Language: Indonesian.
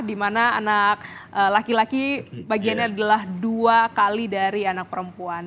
di mana anak laki laki bagiannya adalah dua kali dari anak perempuan